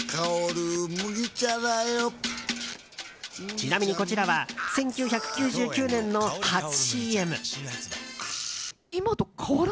ちなみに、こちらは１９９９年の初ＣＭ。